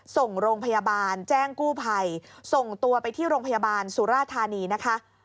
ส่งโรงพยาบาลแจ้งกู้ภัยส่งตัวไปที่โรงพยาบาลสุราธานีนะคะ